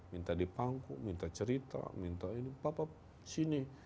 minta di pangkuk minta cerita minta ini bapak sini